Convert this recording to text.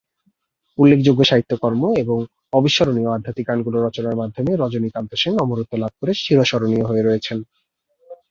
উল্লেখযোগ্য সাহিত্য-কর্ম এবং অবিস্মরণীয় আধ্যাত্মিক গানগুলো রচনার মাধ্যমে রজনীকান্ত সেন অমরত্ব লাভ করে চিরস্মরণীয় হয়ে রয়েছেন।